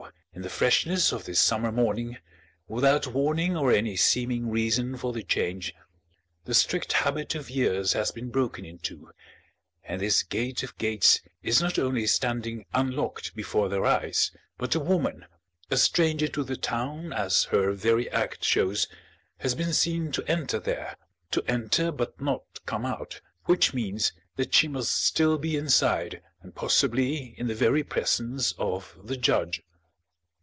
in the freshness of this summer morning, without warning or any seeming reason for the change, the strict habit of years has been broken into and this gate of gates is not only standing unlocked before their eyes, but a woman a stranger to the town as her very act shows has been seen to enter there! to enter, but not come out; which means that she must still be inside, and possibly in the very presence of the judge.